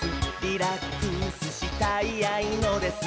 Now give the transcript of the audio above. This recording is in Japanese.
「リラックスしたいあいのです」